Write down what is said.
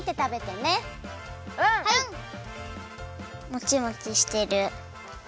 モチモチしてる。